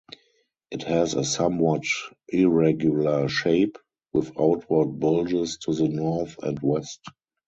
It has a somewhat irregular shape, with outward bulges to the north and west.